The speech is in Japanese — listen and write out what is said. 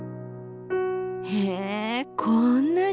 へえこんなに！？